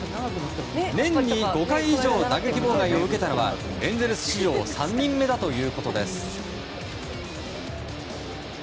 年に５回以上打撃妨害を受けたのはエンゼルス史上３人目だということです。